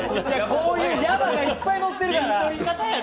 こういうヤバがいっぱい載ってるから。